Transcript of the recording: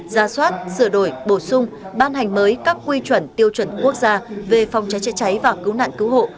ra soát sửa đổi bổ sung ban hành mới các quy chuẩn tiêu chuẩn quốc gia về phòng cháy chữa cháy và cứu nạn cứu hộ